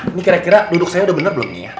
ini kira kira duduk saya udah bener belum nih ya